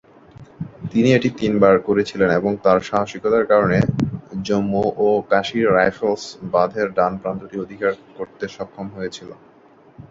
তিনি এটি তিনবার করেছিলেন এবং তাঁর সাহসিকতার কারণে জম্মু ও কাশ্মীর রাইফেলস বাঁধের ডান প্রান্তটি অধিকার করতে সক্ষম হয়েছিল।